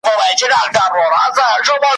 لکه خدای وي چاته نوی ژوند ورکړی ,